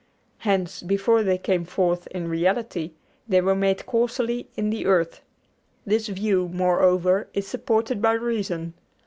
Hence, before they came forth in reality, they were made causally in the earth. This view, moreover, is supported by reason.